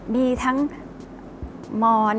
มีทั้งมร